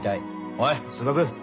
ほい数学！